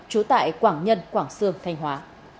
chú tại quảng nhân quảng sương thanh hóa